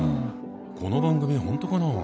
この番組本当かな？